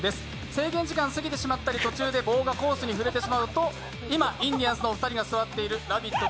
制限時間を過ぎてしまったり途中で棒がコースにふれてしまうと今、インディアンスのお二人が座っているラヴィット！